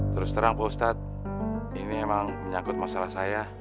terus terang pak ustadz ini memang menyangkut masalah saya